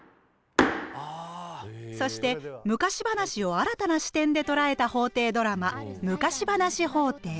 そして昔話を新たな視点で捉えた法廷ドラマ「昔話法廷」。